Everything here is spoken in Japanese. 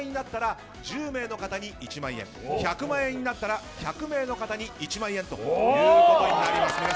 円になったら１０名の方に１万円１００万円になったら１００名の方に１万円ということになります。